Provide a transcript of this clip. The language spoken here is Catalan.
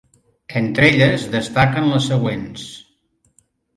Entre elles, destaquen les següents.